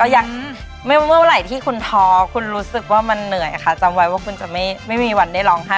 ก็ยังไม่เมื่อไหร่ที่คุณท้อคุณรู้สึกว่ามันเหนื่อยค่ะจำไว้ว่าคุณจะไม่มีวันได้ร้องไห้